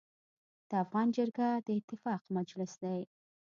د افغان جرګه د اتفاق مجلس دی.